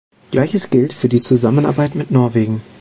Gleiches gilt für die Zusammenarbeit mit Norwegen.